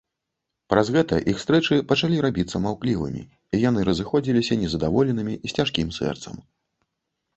Праз гэта іх стрэчы пачалі рабіцца маўклівымі, і яны разыходзіліся нездаволенымі, з цяжкім сэрцам.